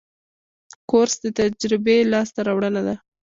کورس د تجربې لاسته راوړنه ده.